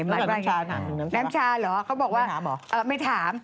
น้ำชาถามถึงน้ำชาไม่ถามเหรอไม่ถาม